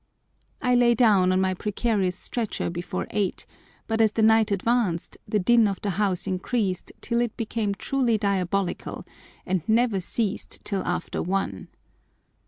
I lay down on my precarious stretcher before eight, but as the night advanced the din of the house increased till it became truly diabolical, and never ceased till after one.